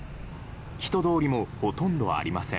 人通りもほとんどありません。